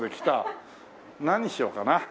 何にしようかな。